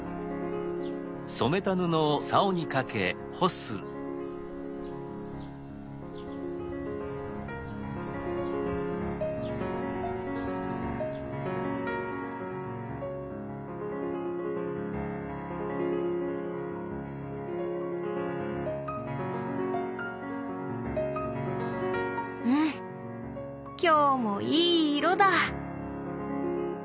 今日もいい色だ。